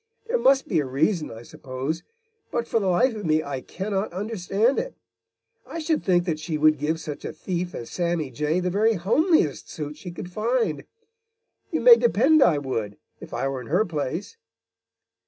There must be a reason, I suppose, but for the life of me I cannot understand it. I should think that she would give such a thief as Sammy Jay the very homeliest suit she could find. You may depend I would, if I were in her place."